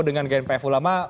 dengan gnpf ulama